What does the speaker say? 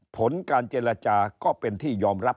ผลการเจรจาก็เป็นที่ยอมรับ